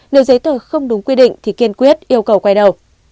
nếu giấy tờ không đúng quy định thì kiên quyết yêu cầu quay đầu